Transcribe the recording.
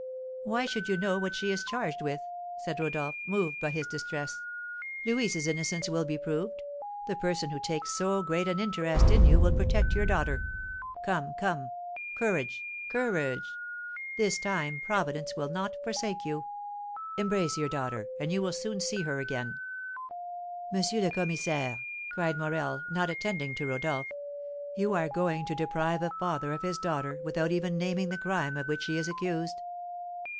"Why should you know what she is charged with?" said Rodolph, moved by his distress. "Louise's innocence will be proved; the person who takes so great an interest in you will protect your daughter. Come, come! Courage, courage! This time Providence will not forsake you. Embrace your daughter, and you will soon see her again." "M. le Commissaire," cried Morel, not attending to Rodolph, "you are going to deprive a father of his daughter without even naming the crime of which she is accused!